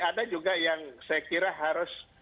ada juga yang saya kira harus